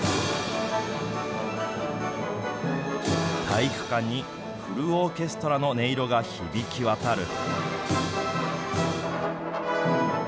体育館にフルオーケストラの音色が響き渡る。